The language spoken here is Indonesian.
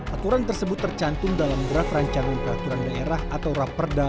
aturan tersebut tercantum dalam draft rancangan peraturan daerah atau raperda